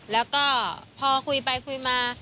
แล้วก็พอคุยไปคุยมา